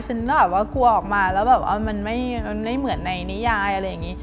ฉันอาจว่ากลัวออกมาแล้วมันไม่เหมือนในนิยายอะไรอย่างนี้